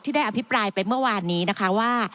ได้อภิปรายไปเมื่อวานนี้นะคะว่า